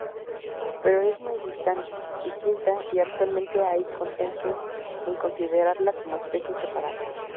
Pero es muy distinta, y actualmente hay consenso en considerarla como especie separada.